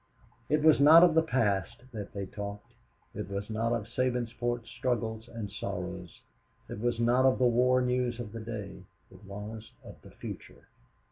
It was not of the past that they talked, it was not of Sabinsport's struggles and sorrows, it was not of the war news of the day; it was of the future.